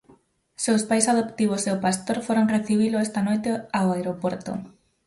Seus pais adoptivos e o pastor foron recibilo esta noite ao aeroporto.